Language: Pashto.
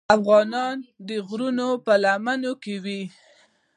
افغانان د غرونو په لمنو کې وو.